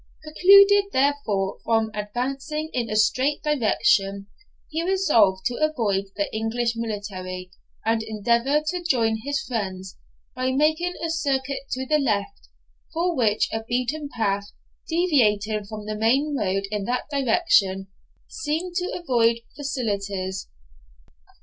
Precluded, therefore, from advancing in a straight direction, he resolved to avoid the English military and endeavour to join his friends by making a circuit to the left, for which a beaten path, deviating from the main road in that direction, seemed to afford facilities.